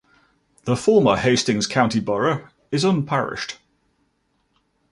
The former Hastings County Borough is unparished.